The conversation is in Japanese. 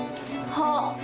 あっ。